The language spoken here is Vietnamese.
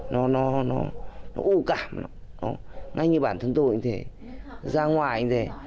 nó nó nó nó ưu cảm ngay như bản thân tôi cũng thế ra ngoài cũng thế